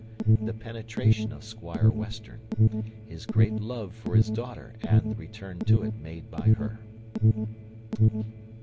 The penetration of Squire Western. His great love for his daughter, and the return to it made by her.